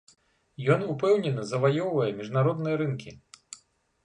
Ён упэўнена заваёўвае міжнародныя рынкі.